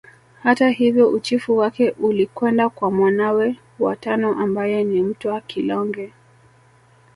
Hata hivyo uchifu wake ulikwenda kwa mwanawe wa tano ambaye ni Mtwa Kilonge